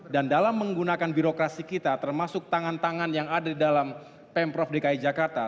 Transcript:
dan dalam menggunakan birokrasi kita termasuk tangan tangan yang ada di dalam pemprov dki jakarta